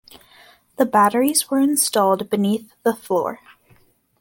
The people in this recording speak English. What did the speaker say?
The batteries were installed beneath the floor.